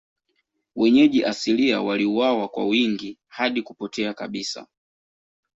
Wenyeji asilia waliuawa kwa wingi hadi kupotea kabisa.